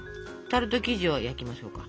タルト生地を焼きましょうか。